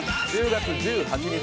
１０月１８日